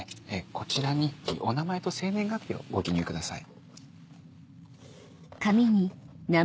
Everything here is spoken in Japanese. こちらにお名前と生年月日をご記入ください。